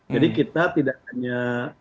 jadi kita tidak hanya